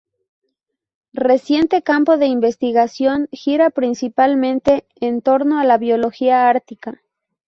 Reciente campo de investigación gira principalmente en torno a la biología ártica.